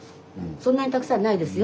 そんなにたくさんないですよ？